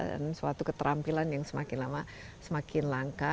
dan suatu keterampilan yang semakin lama semakin langka